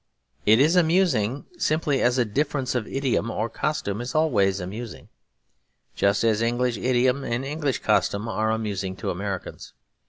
It is amusing simply as a difference of idiom or costume is always amusing; just as English idiom and English costume are amusing to Americans.